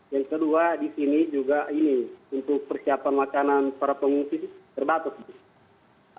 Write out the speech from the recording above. yang kedua di sini juga ini untuk persiapan makanan para pengungsi terbatas